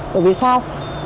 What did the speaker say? tại vì sao